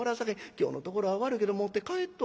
今日のところは悪いけど持って帰っと」。